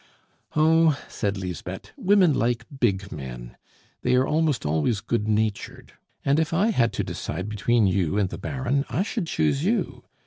"Oh," said Lisbeth, "women like big men; they are almost always good natured; and if I had to decide between you and the Baron, I should choose you.